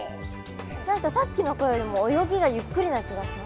何かさっきの子よりも泳ぎがゆっくりな気がします。